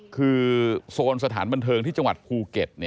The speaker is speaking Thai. คือโซนสถานบันเทิงที่จังหวัดภูเก็ต